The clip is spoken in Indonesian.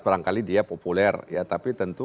barangkali dia populer ya tapi tentu